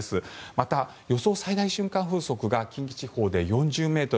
また、予想最大瞬間風速が近畿地方で４０ｍ。